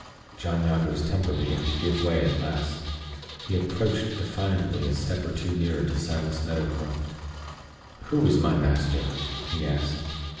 John Jago's temper began to give way at last. He approached defiantly a step or two nearer to Silas Meadowcroft. "Who is my master?" he asked.